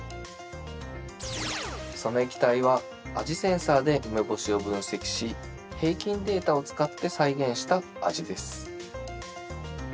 その液体は味センサーで梅干しをぶんせきし平均データを使って再現した味です。